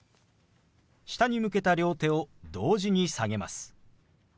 下に向けた両手を同時に下げます。